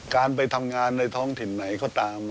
การไปทำงานในท้องถิ่นไหนก็ตาม